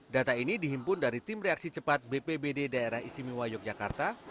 data ini dihimpun dari tim reaksi cepat bpbd daerah istimewa yogyakarta